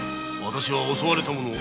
私は襲われた者。